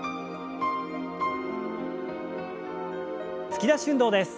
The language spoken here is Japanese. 突き出し運動です。